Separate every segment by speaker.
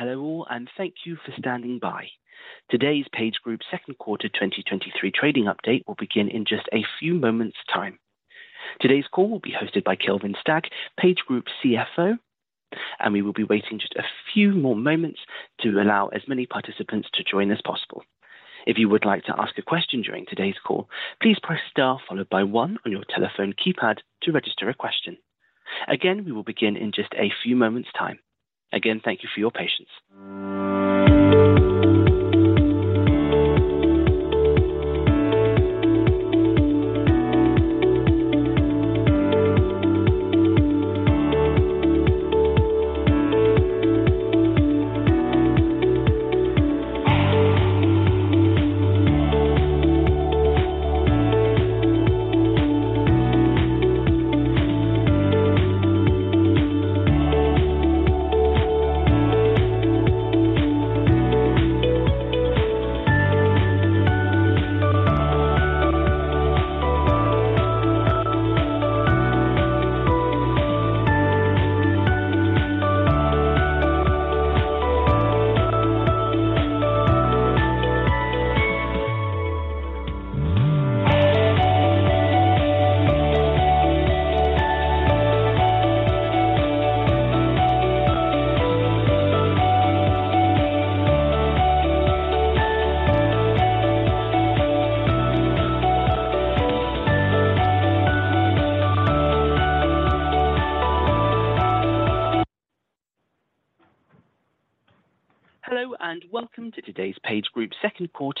Speaker 1: Hello all. Thank you for standing by. Today's PageGroup Q2 2023 trading update will begin in just a few moments' time. Today's call will be hosted by Kelvin Stagg, PageGroup CFO, and we will be waiting just a few more moments to allow as many participants to join as possible. If you would like to ask a question during today's call, please press star followed by one on your telephone keypad to register a question. We will begin in just a few moments' time. Thank you for your patience.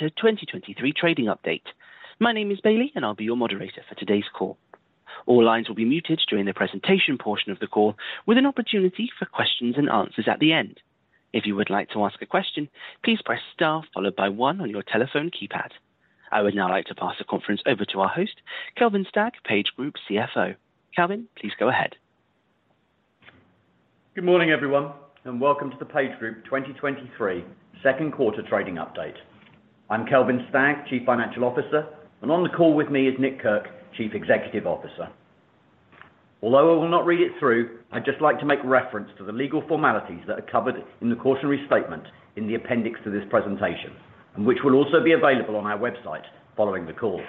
Speaker 1: Hello. Welcome to today's PageGroup Q2 2023 trading update. My name is Bailey, and I'll be your moderator for today's call. All lines will be muted during the presentation portion of the call, with an opportunity for questions and answers at the end. If you would like to ask a question, please press star followed by one on your telephone keypad. I would now like to pass the conference over to our host, Kelvin Stagg, PageGroup CFO. Kelvin, please go ahead.
Speaker 2: Good morning, everyone, and welcome to the PageGroup 2023 Q2 trading update. I'm Kelvin Stagg, Chief Financial Officer, and on the call with me is Nick Kirk, Chief Executive Officer. Although I will not read it through, I'd just like to make reference to the legal formalities that are covered in the cautionary statement in the appendix to this presentation, and which will also be available on our website following the call.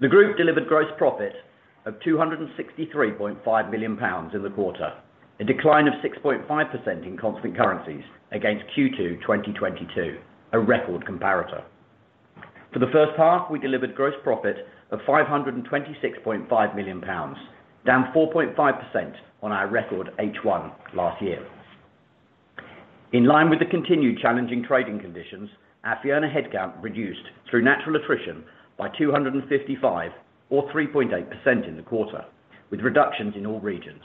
Speaker 2: The group delivered gross profit of 263.5 million pounds in the quarter, a decline of 6.5% in constant currencies against Q2 2022, a record comparator. For the H1, we delivered gross profit of 526.5 million pounds, down 4.5% on our record H1 last year. In line with the continued challenging trading conditions, our fee earner headcount reduced through natural attrition by 255 or 3.8% in the quarter, with reductions in all regions.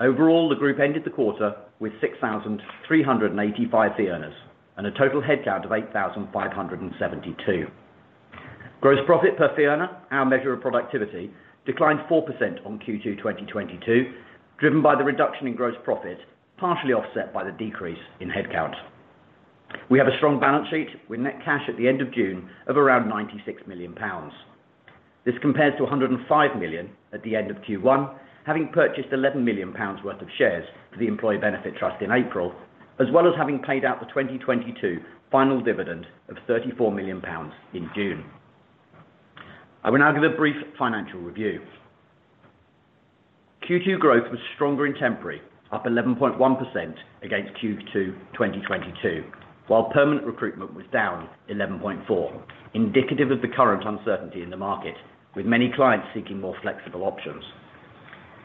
Speaker 2: Overall, the group ended the quarter with 6,385 fee earners and a total headcount of 8,572. Gross profit per fee earner, our measure of productivity, declined 4% on Q2 2022, driven by the reduction in gross profit, partially offset by the decrease in headcount. We have a strong balance sheet with net cash at the end of June of around 96 million pounds. This compares to 105 million at the end of Q1, having purchased 11 million pounds worth of shares for the Employee Benefit Trust in April, as well as having paid out the 2022 final dividend of 34 million pounds in June. I will now give a brief financial review. Q2 growth was stronger in temporary, up 11.1% against Q2 2022, while permanent recruitment was down 11.4%, indicative of the current uncertainty in the market, with many clients seeking more flexible options.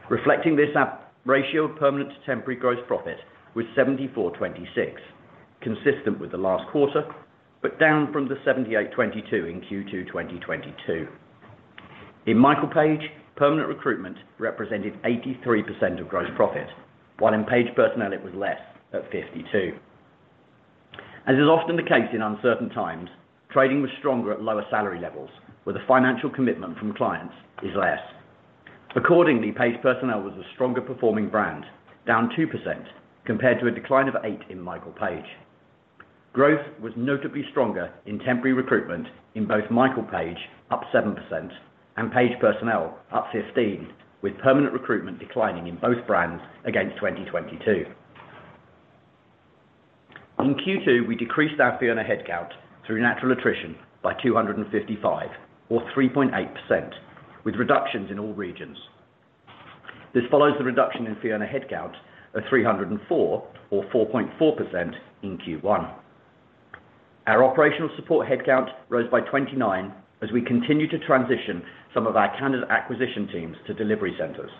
Speaker 2: Reflecting this up ratio of permanent to temporary gross profit was 74/26, consistent with the last quarter, but down from the 78/22 in Q2 2022. In Michael Page, permanent recruitment represented 83% of gross profit, while in Page Personnel, it was less, at 52%. As is often the case in uncertain times, trading was stronger at lower salary levels, where the financial commitment from clients is less. Accordingly, Page Personnel was a stronger performing brand, down 2% compared to a decline of 8% in Michael Page. Growth was notably stronger in temporary recruitment in both Michael Page, up 7%, and Page Personnel, up 15%, with permanent recruitment declining in both brands against 2022. In Q2, we decreased our fee earner headcount through natural attrition by 255 or 3.8%, with reductions in all regions. This follows the reduction in fee earner headcount of 304 or 4.4% in Q1. Our operational support headcount rose by 29 as we continue to transition some of our candidate acquisition teams to delivery centers.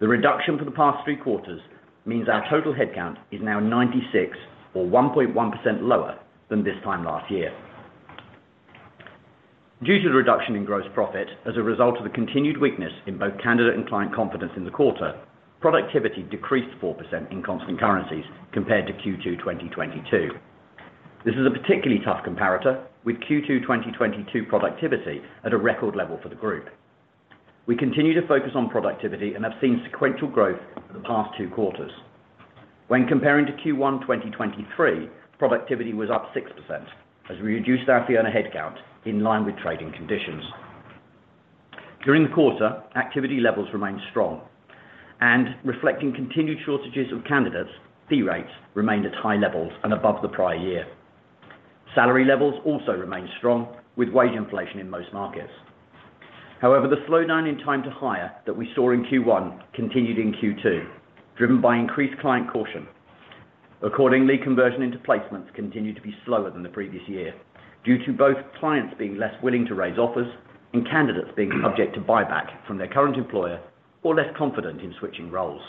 Speaker 2: The reduction for the past three quarters means our total headcount is now 96 or 1.1% lower than this time last year. Due to the reduction in gross profit as a result of the continued weakness in both candidate and client confidence in the quarter, productivity decreased 4% in constant currencies compared to Q2 2022. This is a particularly tough comparator, with Q2 2022 productivity at a record level for the group. We continue to focus on productivity and have seen sequential growth for the past two quarters. When comparing to Q1 2023, productivity was up 6% as we reduced our fee earner headcount in line with trading conditions. During the quarter, activity levels remained strong, and reflecting continued shortages of candidates, fee rates remained at high levels and above the prior year. Salary levels also remained strong, with wage inflation in most markets. However, the slowdown in time to hire that we saw in Q1 continued in Q2, driven by increased client caution. Accordingly, conversion into placements continued to be slower than the previous year, due to both clients being less willing to raise offers and candidates being subject to buyback from their current employer, or less confident in switching roles.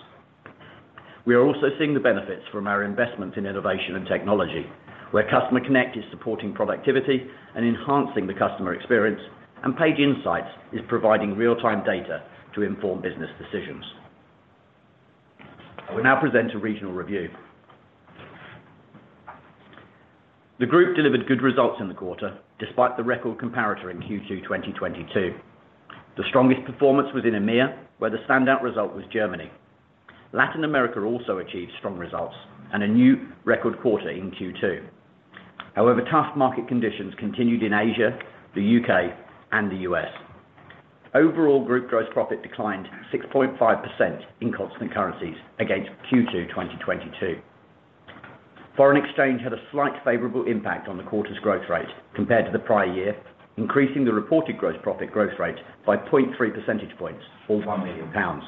Speaker 2: We are also seeing the benefits from our investment in innovation and technology, where Customer Connect is supporting productivity and enhancing the customer experience, and Page Insights is providing real-time data to inform business decisions. I will now present a regional review. The group delivered good results in the quarter, despite the record comparator in Q2, 2022. The strongest performance was in EMEA, where the standout result was Germany. Latin America also achieved strong results and a new record quarter in Q2. Tough market conditions continued in Asia, the U.K., and the U.S. Overall, Group gross profit declined 6.5% in constant currencies against Q2, 2022. Foreign exchange had a slight favorable impact on the quarter's growth rate compared to the prior year, increasing the reported gross profit growth rate by 0.3 percentage points, or 1 million pounds.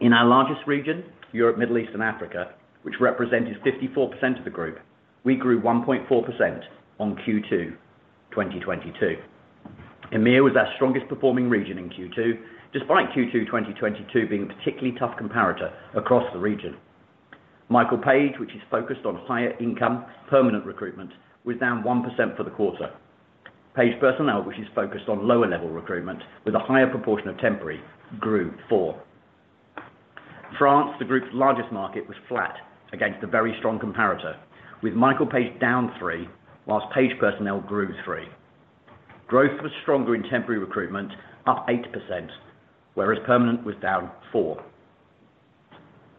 Speaker 2: In our largest region, Europe, Middle East, and Africa, which represented 54% of the Group, we grew 1.4% on Q2, 2022. EMEA was our strongest performing region in Q2, despite Q2, 2022 being a particularly tough comparator across the region. Michael Page, which is focused on higher income permanent recruitment, was down 1% for the quarter. Page Personnel, which is focused on lower-level recruitment with a higher proportion of temporary, grew 4%. France, the group's largest market, was flat against a very strong comparator, with Michael Page down 3%, whilst Page Personnel grew 3%. Growth was stronger in temporary recruitment, up 8%, whereas permanent was down 4%.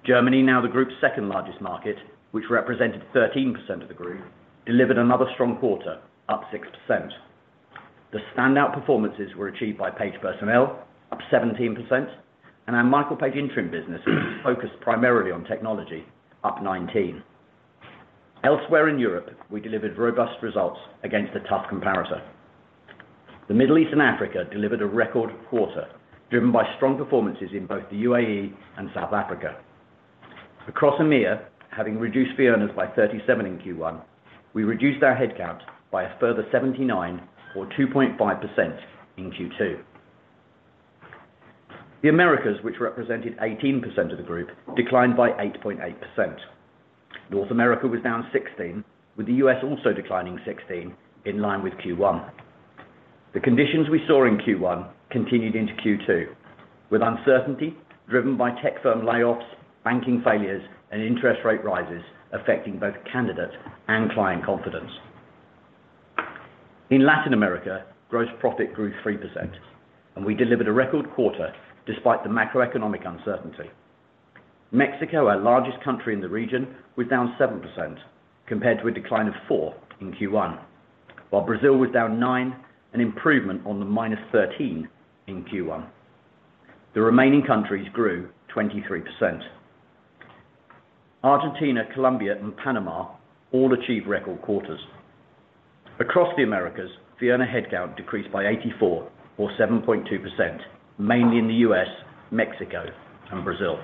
Speaker 2: Germany, now the group's second-largest market, which represented 13% of the group, delivered another strong quarter, up 6%. The standout performances were achieved by Page Personnel, up 17%, and our Michael Page interim business, focused primarily on technology, up 19%. Elsewhere in Europe, we delivered robust results against a tough comparator. The Middle East and Africa delivered a record quarter, driven by strong performances in both the UAE and South Africa. Across EMEA, having reduced the fee earners by 37 in Q1, we reduced our headcount by a further 79, or 2.5% in Q2. The Americas, which represented 18% of the group, declined by 8.8%. North America was down 16%, with the U.S. also declining 16%, in line with Q1. The conditions we saw in Q1 continued into Q2, with uncertainty driven by tech firm layoffs, banking failures, and interest rate rises affecting both candidate and client confidence. In Latin America, gross profit grew 3%, and we delivered a record quarter despite the macroeconomic uncertainty. Mexico, our largest country in the region, was down 7% compared to a decline of 4% in Q1, while Brazil was down 9%, an improvement on the -13% in Q1. The remaining countries grew 23%. Argentina, Colombia, and Panama all achieved record quarters. Across the Americas, fee earner headcount decreased by 84, or 7.2%, mainly in the U.S., Mexico, and Brazil.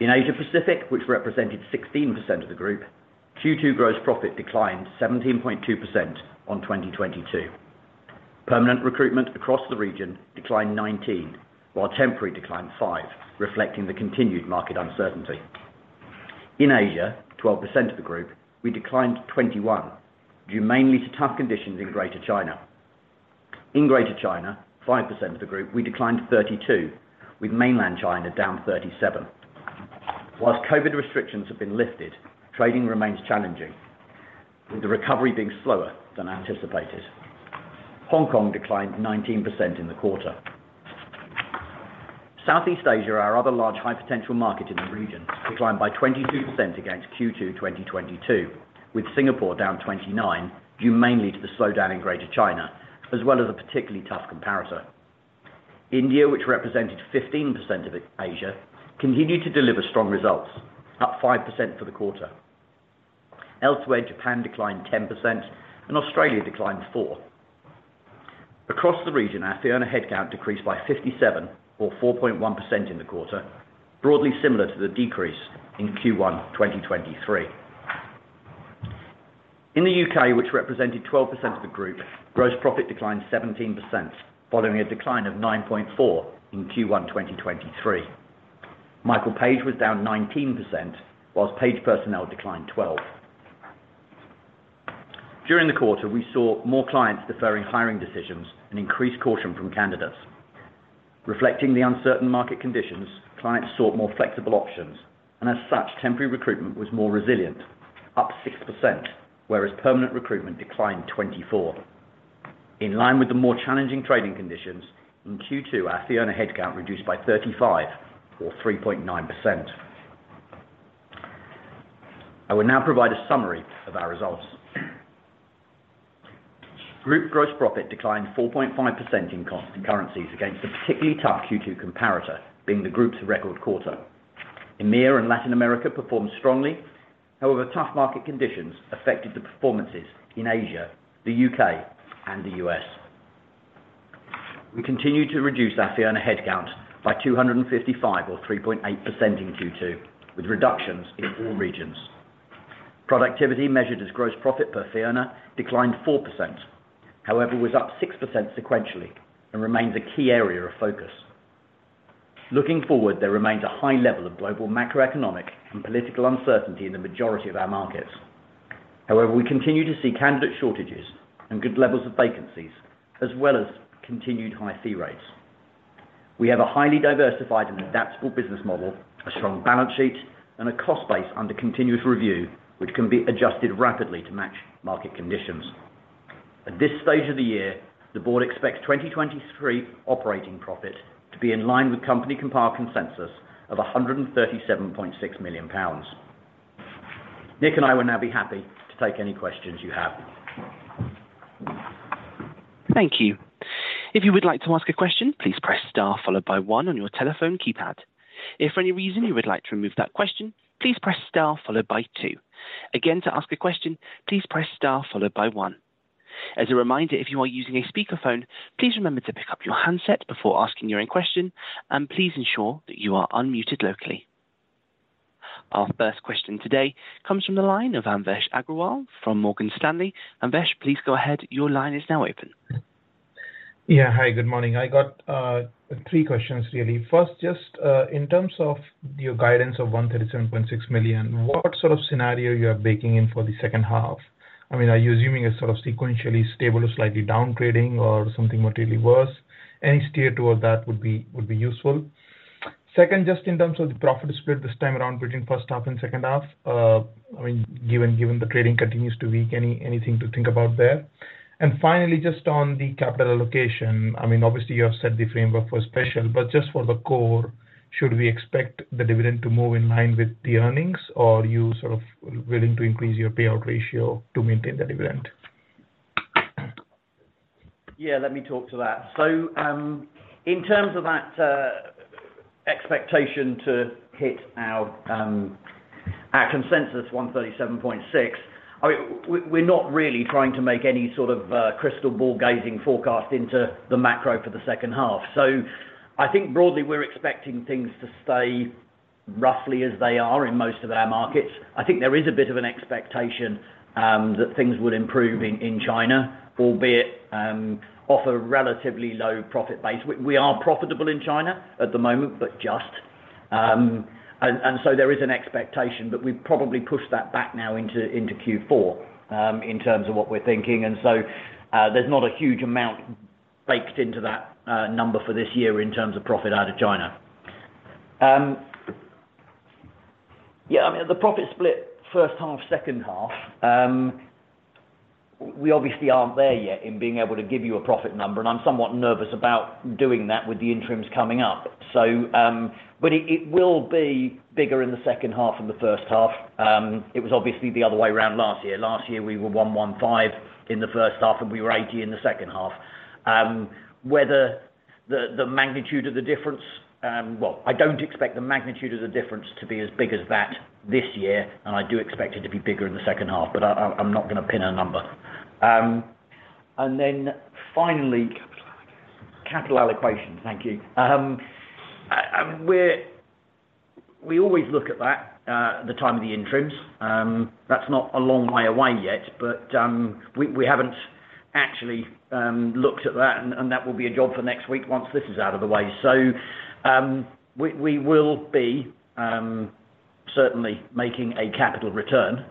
Speaker 2: In Asia Pacific, which represented 16% of the group, Q2 gross profit declined 17.2% on 2022. Permanent recruitment across the region declined 19%, while temporary declined 5%, reflecting the continued market uncertainty. In Asia, 12% of the group, we declined 21%, due mainly to tough conditions in Greater China. In Greater China, 5% of the group, we declined 32%, with mainland China down 37%. Whilst COVID restrictions have been lifted, trading remains challenging, with the recovery being slower than anticipated. Hong Kong declined 19% in the quarter. Southeast Asia, our other large high-potential market in the region, declined by 22% against Q2 2022, with Singapore down 29%, due mainly to the slowdown in Greater China, as well as a particularly tough comparator. India, which represented 15% of Asia, continued to deliver strong results, up 5% for the quarter. Elsewhere, Japan declined 10% and Australia declined 4%. Across the region, our fee earner headcount decreased by 57, or 4.1% in the quarter, broadly similar to the decrease in Q1 2023. In the U.K., which represented 12% of the Group, gross profit declined 17%, following a decline of 9.4% in Q1 2023. Michael Page was down 19%, whilst Page Personnel declined 12%. During the quarter, we saw more clients deferring hiring decisions and increased caution from candidates. Reflecting the uncertain market conditions, clients sought more flexible options, as such, temporary recruitment was more resilient, up 6%, whereas permanent recruitment declined 24%. In line with the more challenging trading conditions, in Q2, our fee earner headcount reduced by 35, or 3.9%. I will now provide a summary of our results. Group gross profit declined 4.5% in constant currencies against a particularly tough Q2 comparator, being the group's record quarter. EMEA and Latin America performed strongly. Tough market conditions affected the performances in Asia, the U.K., and the U.S. We continue to reduce our fee earner headcount by 255 or 3.8% in Q2, with reductions in all regions. Productivity, measured as gross profit per fee earner, declined 4%, however, was up 6% sequentially and remains a key area of focus. Looking forward, there remains a high level of global macroeconomic and political uncertainty in the majority of our markets. We continue to see candidate shortages and good levels of vacancies, as well as continued high fee rates. We have a highly diversified and adaptable business model, a strong balance sheet, and a cost base under continuous review, which can be adjusted rapidly to match market conditions. At this stage of the year, the board expects 2023 operating profit to be in line with company compiled consensus of 137.6 million pounds. Nick and I will now be happy to take any questions you have.
Speaker 1: Thank you. If you would like to ask a question, please press star followed by one on your telephone keypad. If for any reason you would like to remove that question, please press star followed by two. Again, to ask a question, please press star followed by one. As a reminder, if you are using a speakerphone, please remember to pick up your handset before asking your own question, and please ensure that you are unmuted locally. Our first question today comes from the line of Anvesh Agrawal from Morgan Stanley. Anvesh, please go ahead. Your line is now open.
Speaker 3: Yeah. Hi, good morning. I got three questions, really. First, just in terms of your guidance of 137.6 million, what sort of scenario you are baking in for the second half? I mean, are you assuming a sort of sequentially stable or slightly downgrading or something materially worse? Any steer toward that would be, would be useful. Second, just in terms of the profit split this time around between first half and second half, I mean, given the trading continues to weak, anything to think about there? Finally, just on the capital allocation, I mean, obviously you have set the framework for special, but just for the core, should we expect the dividend to move in line with the earnings, or are you sort of willing to increase your payout ratio to maintain the dividend?
Speaker 2: Yeah, let me talk to that. In terms of that expectation to hit our consensus, 137.6, I mean, we're not really trying to make any sort of crystal ball gazing forecast into the macro for the second half. I think broadly, we're expecting things to stay roughly as they are in most of our markets. I think there is a bit of an expectation that things would improve in China, albeit off a relatively low profit base. We are profitable in China at the moment, but just. There is an expectation, but we've probably pushed that back now into Q4 in terms of what we're thinking. There's not a huge amount baked into that number for this year in terms of profit out of China. Yeah, I mean, the profit split first half, second half, we obviously aren't there yet in being able to give you a profit number, and I'm somewhat nervous about doing that with the interims coming up. But it will be bigger in the second half than the first half. It was obviously the other way around last year. Last year, we were 115 in the first half, and we were 80 in the second half. Whether the magnitude of the difference, well, I don't expect the magnitude of the difference to be as big as that this year, and I do expect it to be bigger in the second half, but I'm not going to pin a number. Finally, Capital allocation. Capital allocation. Thank you. We always look at that at the time of the interims. That's not a long way away yet, but we haven't actually looked at that, and that will be a job for next week once this is out of the way. We will be certainly making a capital return,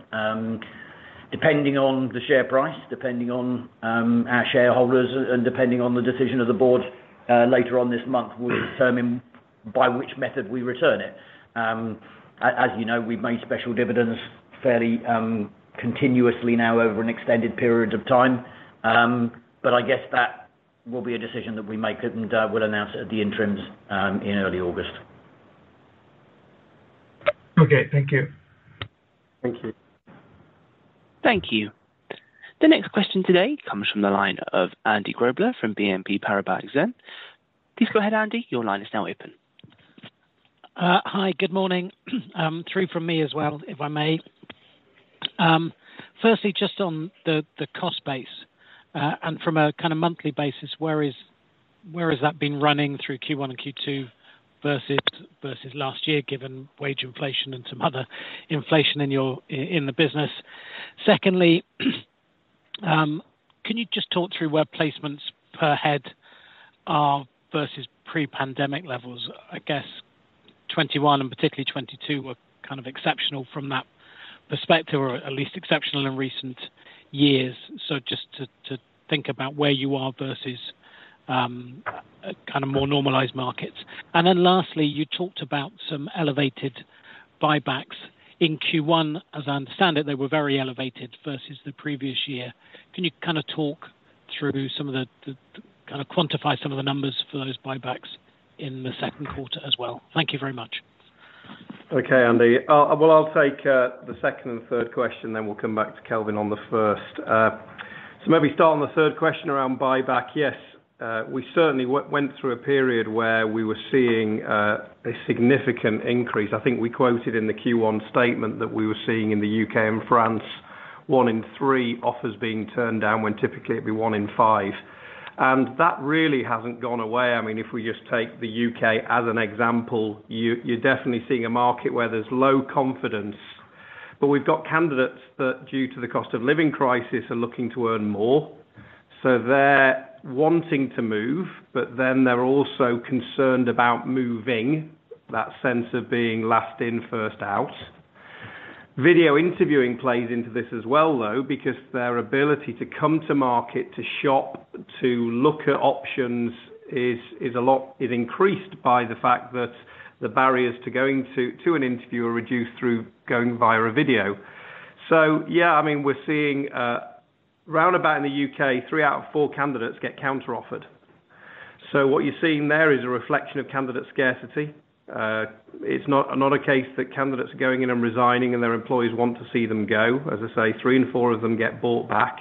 Speaker 2: depending on the share price, depending on our shareholders, and depending on the decision of the board later on this month, we'll determine by which method we return it. As you know, we've made special dividends fairly continuously now over an extended period of time, but I guess that will be a decision that we make, and we'll announce it at the interims in early August.
Speaker 3: Okay. Thank you.
Speaker 2: Thank you.
Speaker 1: Thank you. The next question today comes from the line of Andy Grobler from BNP Paribas Exane. Please go ahead, Andy. Your line is now open.
Speaker 4: Hi, good morning. Through from me as well, if I may. Firstly, just on the cost base, and from a kind of monthly basis, where has that been running through Q1 and Q2 versus last year, given wage inflation and some other inflation in your business? Secondly, can you just talk through where placements per head are versus pre-pandemic levels? I guess 2021 and particularly 2022 were kind of exceptional from that perspective, or at least exceptional in recent years. Just to think about where you are versus a kind of more normalized markets. Lastly, you talked about some elevated buybacks in Q1. As I understand it, they were very elevated versus the previous year. Can you kind of talk through some of the kind of quantify some of the numbers for those buybacks in the Q2 as well. Thank you very much.
Speaker 5: Okay, Andy. Well, I'll take the second and third question, then we'll come back to Kelvin on the first. So maybe start on the third question around buyback. Yes, we certainly went through a period where we were seeing a significant increase. I think we quoted in the Q1 statement that we were seeing in the U.K. and France, one in three offers being turned down, when typically it'd be one in five. That really hasn't gone away. I mean, if we just take the U.K. as an example, you're definitely seeing a market where there's low confidence. We've got candidates that, due to the cost of living crisis, are looking to earn more. They're wanting to move, but then they're also concerned about moving, that sense of being last in, first out. Video interviewing plays into this as well, though, because their ability to come to market, to shop, to look at options is a lot. It increased by the fact that the barriers to going to an interview are reduced through going via a video. Yeah, I mean, we're seeing roundabout in the U.K., three out of four candidates get counteroffered. What you're seeing there is a reflection of candidate scarcity. It's not a case that candidates are going in and resigning, and their employees want to see them go. As I say, three in four of them get bought back.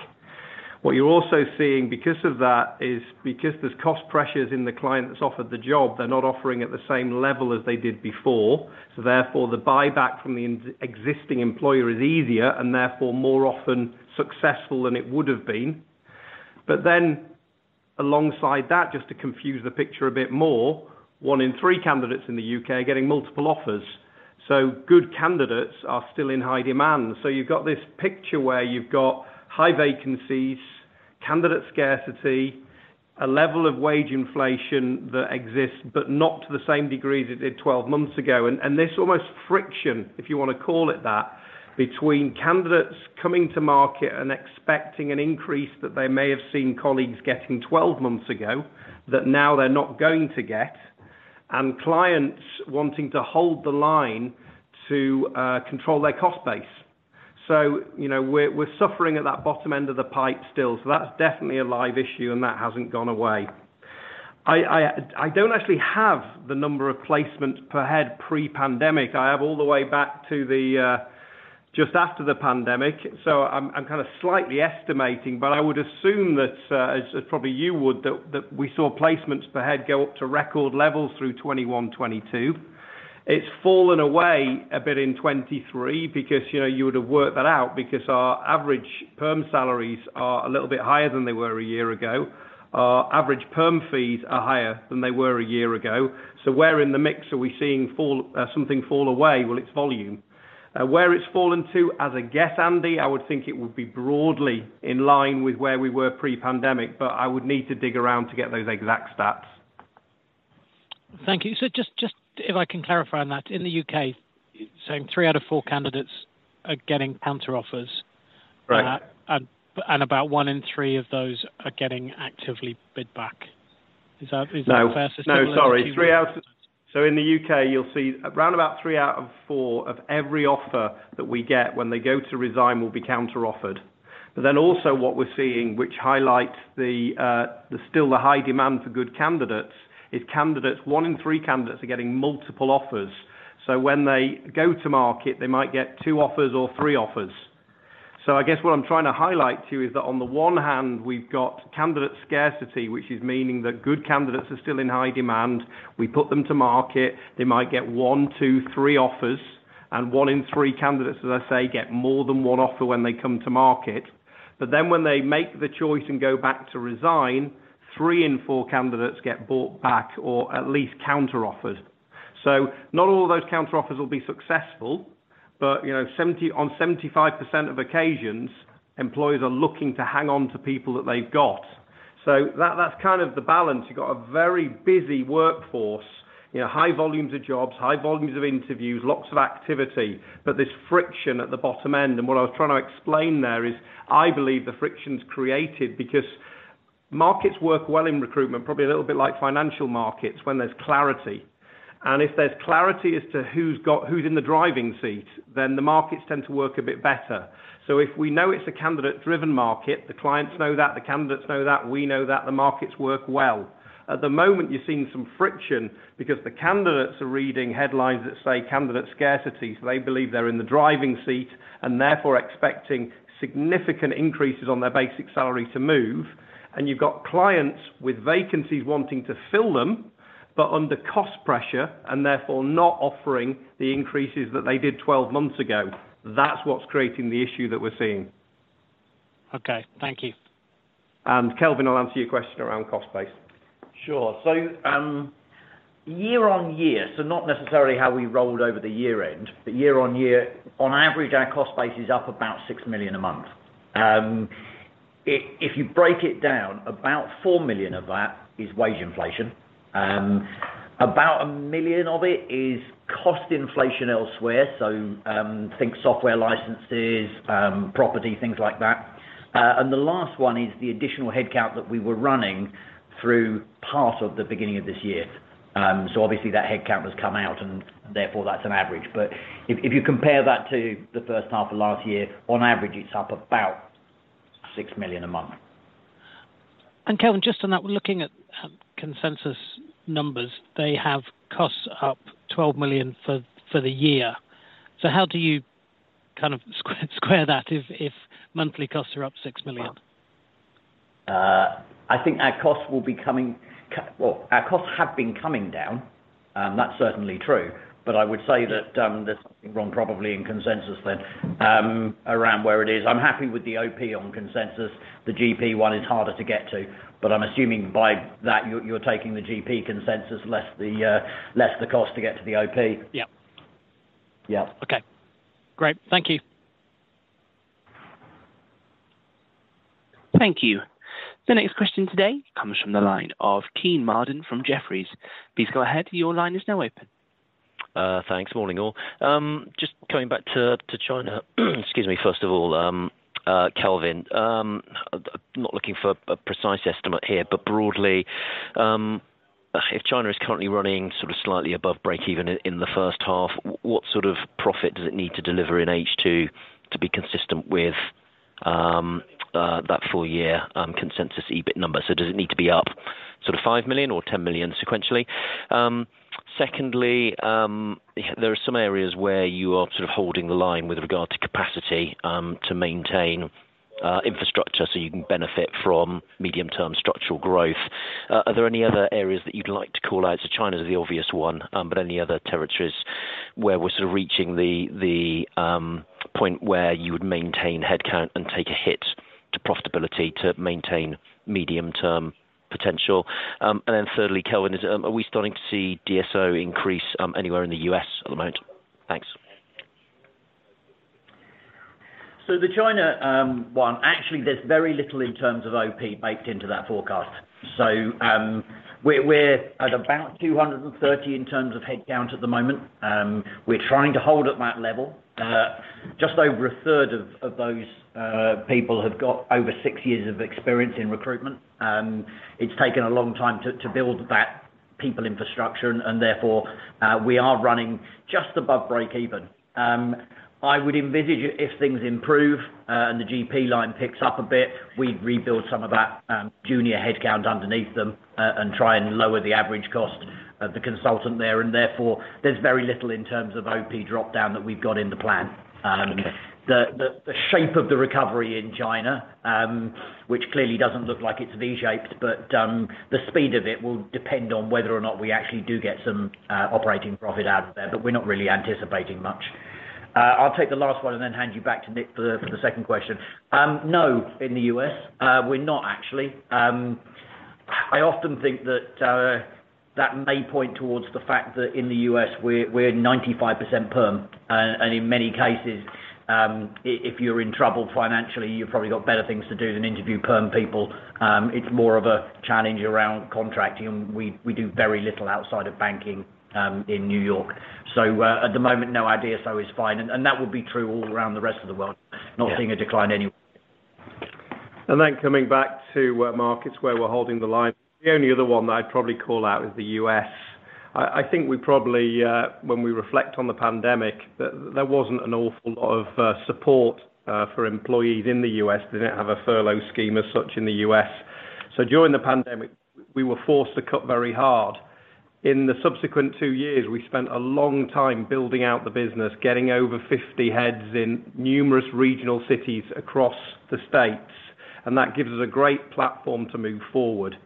Speaker 5: What you're also seeing because of that is because there's cost pressures in the client that's offered the job, they're not offering at the same level as they did before, the buyback from the existing employer is easier and therefore more often successful than it would have been. Alongside that, just to confuse the picture a bit more, one in three candidates in the U.K. are getting multiple offers, good candidates are still in high demand. You've got this picture where you've got high vacancies, candidate scarcity, a level of wage inflation that exists, but not to the same degree as it did 12 months ago. This almost friction, if you wanna call it that, between candidates coming to market and expecting an increase that they may have seen colleagues getting 12 months ago, that now they're not going to get, and clients wanting to hold the line to control their cost base. You know, we're suffering at that bottom end of the pipe still, so that's definitely a live issue, and that hasn't gone away. I don't actually have the number of placements per head pre-pandemic. I have all the way back to just after the pandemic, so I'm kind of slightly estimating, but I would assume that as probably you would, that we saw placements per head go up to record levels through 2021, 2022. It's fallen away a bit in 2023 because, you know, you would have worked that out because our average perm salaries are a little bit higher than they were a year ago. Our average perm fees are higher than they were a year ago. Where in the mix are we seeing fall, something fall away? Well, it's volume. Where it's fallen to, as a guess, Andy, I would think it would be broadly in line with where we were pre-pandemic, but I would need to dig around to get those exact stats.
Speaker 4: Thank you. Just if I can clarify on that, in the U.K., you're saying three out of four candidates are getting counteroffers?
Speaker 5: Right.
Speaker 4: About one in three of those are getting actively bid back. Is that a fair system?
Speaker 5: No, sorry. In the U.K., you'll see around about three out of four of every offer that we get when they go to resign, will be counteroffered. Also what we're seeing, which highlights the still the high demand for good candidates, is candidates, one in three candidates are getting multiple offers. When they go to market, they might get two offers or three offers. I guess what I'm trying to highlight to you is that on the one hand, we've got candidate scarcity, which is meaning that good candidates are still in high demand. We put them to market, they might get one, two, three offers, and one in three candidates, as I say, get more than one offer when they come to market. When they make the choice and go back to resign, three in four candidates get bought back or at least counteroffered. Not all of those counteroffers will be successful, but you know, 70, on 75% of occasions, employees are looking to hang on to people that they've got. That, that's kind of the balance. You've got a very busy workforce, you know, high volumes of jobs, high volumes of interviews, lots of activity, but there's friction at the bottom end. What I was trying to explain there is I believe the friction's created because markets work well in recruitment, probably a little bit like financial markets when there's clarity. If there's clarity as to who's in the driving seat, then the markets tend to work a bit better. If we know it's a candidate-driven market, the clients know that, the candidates know that, we know that, the markets work well. At the moment, you're seeing some friction because the candidates are reading headlines that say, candidate scarcity, so they believe they're in the driving seat and therefore expecting significant increases on their basic salary to move. You've got clients with vacancies wanting to fill them, but under cost pressure and therefore not offering the increases that they did 12 months ago. That's what's creating the issue that we're seeing.
Speaker 4: Okay, thank you.
Speaker 5: Kelvin, I'll answer your question around cost base.
Speaker 2: Sure. year-on-year, not necessarily how we rolled over the year end, but year-on-year, on average, our cost base is up about 6 million a month. If you break it down, about 4 million of that is wage inflation. About 1 million of it is cost inflation elsewhere, so think software licenses, property, things like that. The last one is the additional headcount that we were running through part of the beginning of this year. Obviously, that headcount has come out, and therefore, that's an average. If you compare that to H1, on average, it's up about 6 million a month.
Speaker 4: Kelvin, just on that, we're looking at consensus numbers. They have costs up 12 million for the year. How do you kind of square that if monthly costs are up 6 million?
Speaker 2: I think our costs will be coming down, and that's certainly true. I would say that, there's something wrong probably in consensus then, around where it is. I'm happy with the OP on consensus. The GP one is harder to get to, but I'm assuming by that you're taking the GP consensus, less the cost to get to the OP.
Speaker 4: Yeah.
Speaker 2: Yeah.
Speaker 4: Okay. Great. Thank you.
Speaker 1: Thank you. The next question today comes from the line of Kean Marden from Jefferies. Please go ahead. Your line is now open.
Speaker 6: Thanks. Morning, all. Just going back to China, excuse me, first of all, Kelvin, not looking for a precise estimate here, but broadly, if China is currently running sort of slightly above break even in the first half, what sort of profit does it need to deliver in H2 to be consistent with that full year consensus EBIT number? Does it need to be up sort of 5 million or 10 million sequentially? Secondly, there are some areas where you are sort of holding the line with regard to capacity, to maintain infrastructure, so you can benefit from medium-term structural growth. Are there any other areas that you'd like to call out? China is the obvious one, but any other territories where we're sort of reaching the point where you would maintain headcount and take a hit to profitability to maintain medium-term potential? Thirdly, Kelvin, is, are we starting to see DSO increase anywhere in the U.S. at the moment? Thanks.
Speaker 2: The China, one, actually, there's very little in terms of OP baked into that forecast. We're at about 230 in terms of headcount at the moment. We're trying to hold at that level. Just over a third of those people have got over six years of experience in recruitment. It's taken a long time to build that people infrastructure, and therefore, we are running just above break even. I would envisage if things improve, and the GP line picks up a bit, we'd rebuild some of that junior headcount underneath them, and try and lower the average cost of the consultant there, and therefore, there's very little in terms of OP drop-down that we've got in the plan.
Speaker 6: Okay.
Speaker 2: The shape of the recovery in China, which clearly doesn't look like it's V-shaped, the speed of it will depend on whether or not we actually do get some operating profit out of there, but we're not really anticipating much. I'll take the last one and then hand you back to Nick for the second question. No, in the U.S., we're not actually. I often think that that may point towards the fact that in the U.S., we're 95% perm, in many cases, if you're in trouble financially, you've probably got better things to do than interview perm people. It's more of a challenge around contracting, we do very little outside of banking in New York. At the moment, no idea, it's fine. That would be true all around the rest of the world, not seeing a decline anywhere.
Speaker 5: Then coming back to what markets, where we're holding the line, the only other one that I'd probably call out is the U.S. I think we probably, when we reflect on the pandemic, that there wasn't an awful lot of support for employees in the U.S. They didn't have a furlough scheme as such in the U.S. During the pandemic, we were forced to cut very hard. In the subsequent two years, we spent a long time building out the business, getting over 50 heads in numerous regional cities across the States, and that gives us a great platform to move forward.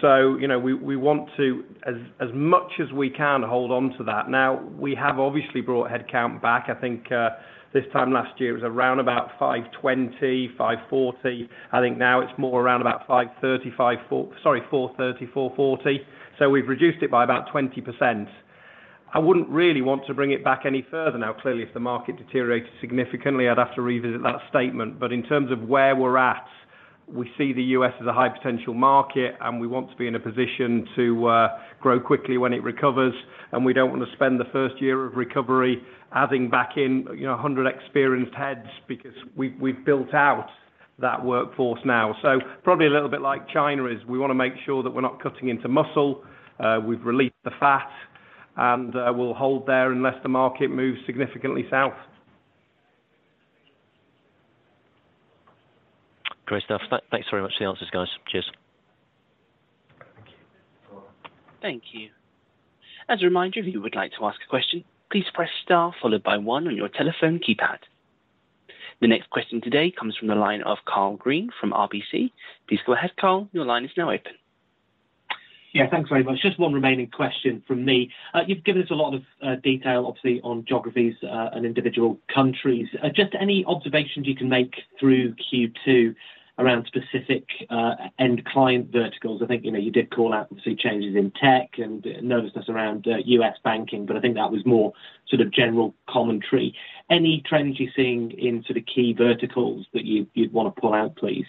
Speaker 5: So, you know, we want to, as much as we can, hold on to that. Now, we have obviously brought headcount back. I think, this time last year, it was around about 520, 540. I think now it's more around about 430, 440. We've reduced it by about 20%. I wouldn't really want to bring it back any further now. Clearly, if the market deteriorated significantly, I'd have to revisit that statement. In terms of where we're at, we see the U.S. as a high potential market, and we want to be in a position to grow quickly when it recovers, and we don't want to spend the first year of recovery adding back in, you know, 100 experienced heads, because we've built out that workforce now. Probably a little bit like China is, we wanna make sure that we're not cutting into muscle, we've released the fat, and we'll hold there unless the market moves significantly south.
Speaker 6: Great stuff. Thanks very much for the answers, guys. Cheers.
Speaker 1: Thank you. As a reminder, if you would like to ask a question, please press star followed by one on your telephone keypad. The next question today comes from the line of Karl Green from RBC. Please go ahead, Carl, your line is now open.
Speaker 7: Yeah, thanks very much. Just one remaining question from me. You've given us a lot of detail, obviously, on geographies, and individual countries. Just any observations you can make through Q2 around specific, end client verticals? I think, you know, you did call out the changes in tech and noticed this around, U.S. banking, but I think that was more sort of general commentary. Any trends you're seeing in sort of key verticals that you'd wanna pull out, please?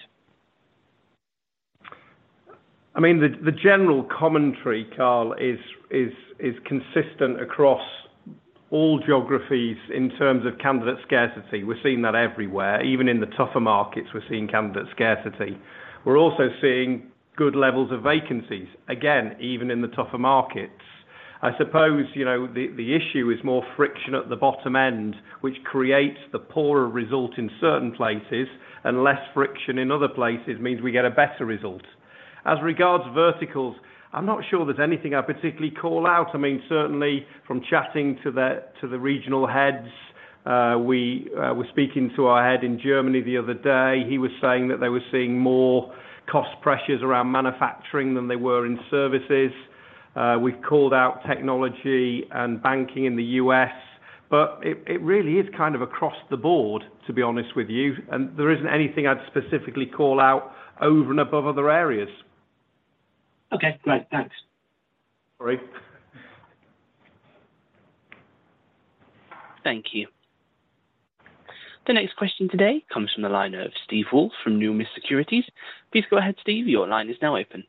Speaker 5: I mean, the general commentary, Karl, is consistent across all geographies in terms of candidate scarcity. We're seeing that everywhere. Even in the tougher markets, we're seeing candidate scarcity. We're also seeing good levels of vacancies, again, even in the tougher markets. I suppose, you know, the issue is more friction at the bottom end, which creates the poorer result in certain places, and less friction in other places means we get a better result. As regards verticals, I'm not sure there's anything I'd particularly call out. I mean, certainly from chatting to the regional heads, we were speaking to our head in Germany the other day. He was saying that they were seeing more cost pressures around manufacturing than they were in services. We've called out technology and banking in the U.S., but it really is kind of across the board, to be honest with you, and there isn't anything I'd specifically call out over and above other areas.
Speaker 7: Okay, great. Thanks.
Speaker 5: Sorry.
Speaker 1: Thank you. The next question today comes from the line of Steve Woolf from Numis Securities. Please go ahead, Steve. Your line is now open.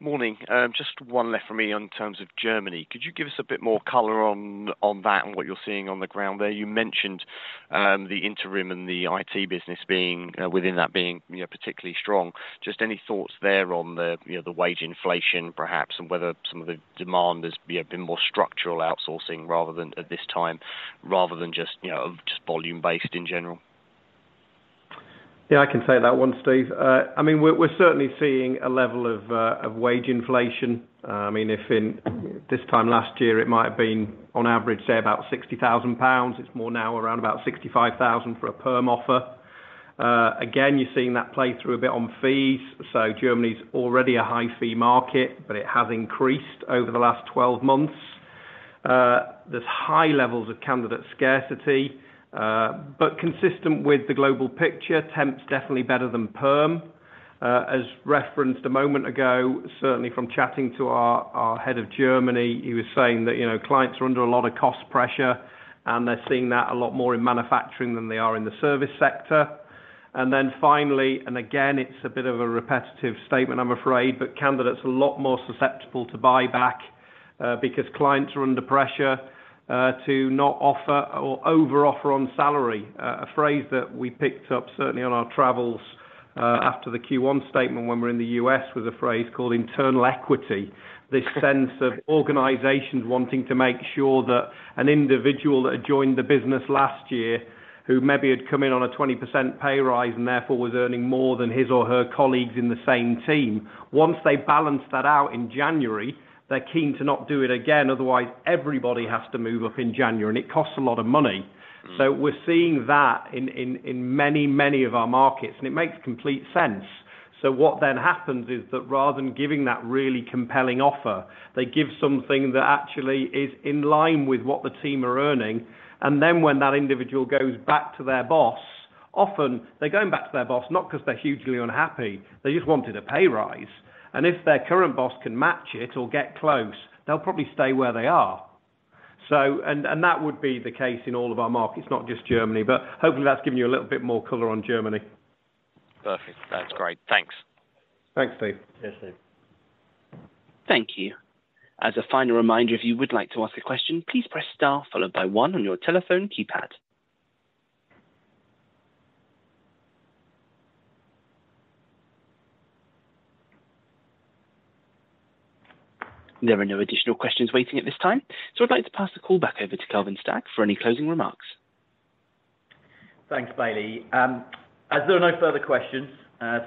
Speaker 8: Morning. Just one left for me in terms of Germany. Could you give us a bit more color on that and what you're seeing on the ground there? You mentioned, the interim and the IT business being, within that being, you know, particularly strong. Just any thoughts there on the, you know, the wage inflation perhaps, and whether some of the demand has, you know, been more structural outsourcing rather than at this time, rather than just, you know, just volume-based in general?
Speaker 5: Yeah, I can take that one, Steve. I mean, we're certainly seeing a level of wage inflation. I mean, if in this time last year it might have been on average, say, about 60,000 pounds, it's more now around about 65,000 for a perm offer. Again, you're seeing that play through a bit on fees. Germany's already a high-fee market, but it has increased over the last 12 months. There's high levels of candidate scarcity, consistent with the global picture, temp's definitely better than perm. As referenced a moment ago, certainly from chatting to our head of Germany, he was saying that, you know, clients are under a lot of cost pressure, and they're seeing that a lot more in manufacturing than they are in the service sector. Again, it's a bit of a repetitive statement, I'm afraid, candidates are a lot more susceptible to buyback because clients are under pressure to not offer or overoffer on salary. A phrase that we picked up, certainly on our travels, after the Q1 statement when we're in the US, was a phrase called internal equity. This sense of organizations wanting to make sure that an individual that had joined the business last year, who maybe had come in on a 20% pay rise and therefore was earning more than his or her colleagues in the same team. Once they balanced that out in January, they're keen to not do it again, otherwise, everybody has to move up in January, and it costs a lot of money.
Speaker 8: Mm-hmm.
Speaker 5: We're seeing that in many of our markets, and it makes complete sense. What then happens is that rather than giving that really compelling offer, they give something that actually is in line with what the team are earning, and then when that individual goes back to their boss, often they're going back to their boss, not because they're hugely unhappy, they just wanted a pay rise. If their current boss can match it or get close, they'll probably stay where they are. That would be the case in all of our markets, not just Germany, but hopefully, that's given you a little bit more color on Germany.
Speaker 8: Perfect. That's great. Thanks.
Speaker 5: Thanks, Steve.
Speaker 2: Yes, Steve.
Speaker 1: Thank you. As a final reminder, if you would like to ask a question, please press star followed by one on your telephone keypad. There are no additional questions waiting at this time. I'd like to pass the call back over to Kelvin Stagg for any closing remarks.
Speaker 2: Thanks, Bailey. As there are no further questions,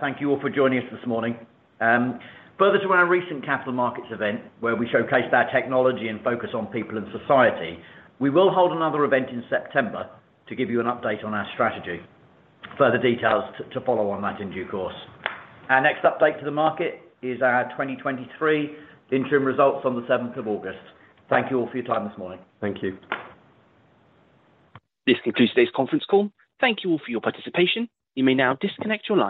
Speaker 2: thank you all for joining us this morning. Further to our recent capital markets event, where we showcased our technology and focus on people and society, we will hold another event in September to give you an update on our strategy. Further details to follow on that in due course. Our next update to the market is our 2023 interim results on the 7 August 2023. Thank you all for your time this morning.
Speaker 5: Thank you.
Speaker 1: This concludes today's conference call. Thank you all for your participation. You may now disconnect your lines.